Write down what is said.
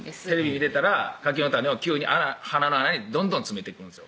見てたら柿の種を急に鼻の穴にどんどん詰めてくるんですよ